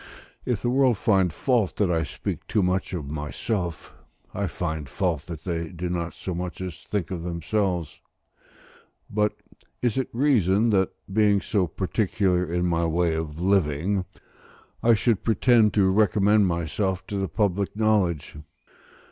If the world find fault that I speak too much of myself, I find fault that they do not so much as think of themselves. But is it reason that, being so particular in my way of living, I should pretend to recommend myself to the public knowledge?